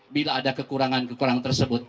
bila ada kekurangan kekurangan tersebut